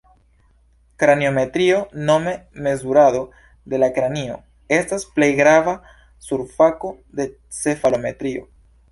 Kraniometrio, nome mezurado de la kranio, estas plej grava subfako de cefalometrio.